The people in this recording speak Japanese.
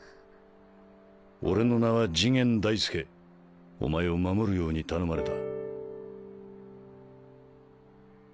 俺の名は次元大介お前を守るように頼まれた。